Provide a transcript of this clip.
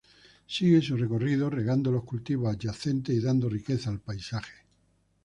Sigue su recorrido regando los cultivos adyacentes y dando riqueza al paisaje.